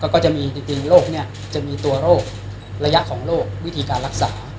ก็จะมีตัวโรคระยะของโรควิธีการรักษา